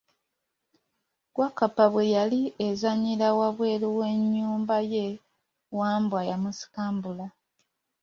Wakkapa bwe yali ezanyira wabweru we nyumba ye, Wambwa yamusikambula.